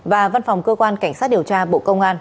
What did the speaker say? và văn phòng cơ quan cảnh sát điều tra bộ công an